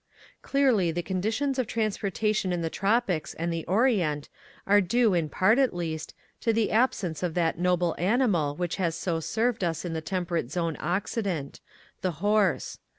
Clearly the conditions of transportation in the tropics and the orient are due, in part at least, to the absence of that noble animal which has so served us in the temperate zone Occident — the horse.